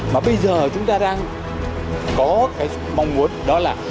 mà bây giờ chúng ta đang có cái mong muốn đó là